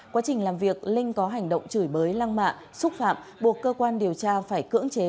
quá trình làm việc linh có hành động chửi bới lăng mạ xúc phạm buộc cơ quan điều tra phải cưỡng chế